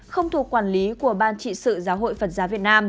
không thuộc quản lý của ban trị sự giáo hội phật giáo việt nam